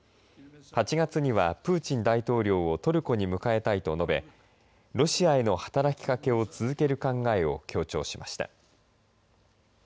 ８月にはプーチン大統領をトルコに迎えたいと述べロシアへの働きかけを続ける考えを強調しました。